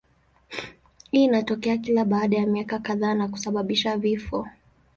Hii inatokea kila baada ya miaka kadhaa na kusababisha vifo.